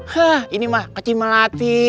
hah ini mah kecil melati